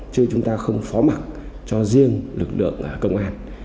chứ chúng ta không phó mặt cho riêng lực lượng công an